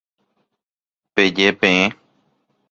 Peje peẽ.